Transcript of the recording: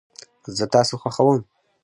زه تاسو خوښوم